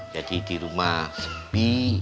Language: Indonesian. jadi di rumah sepi